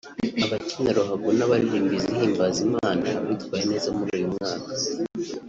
abakina ruhago n’abaririmba izihimbaza Imana bitwaye neza muri uyu mwaka